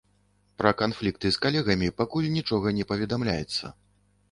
Пра канфлікты з калегамі пакуль нічога не паведамляецца.